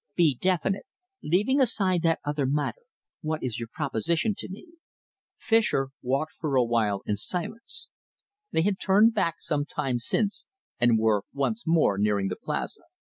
Be definite. Leaving aside that other matter, what is your proposition to me?" Fischer walked for a while in silence. They had turned back some time since, and were once more nearing the Plaza.